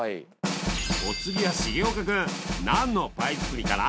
お次は重岡君何のパイ包みかな？